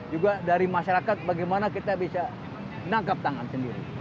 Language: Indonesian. juga dari masyarakat bagaimana kita bisa menangkap tangan sendiri